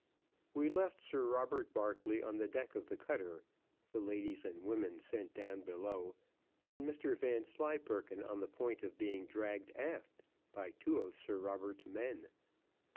We left Sir Robert Barclay on the deck of the cutter, the ladies and women sent down below, and Mr Vanslyperken on the point of being dragged aft by two of Sir Robert's men.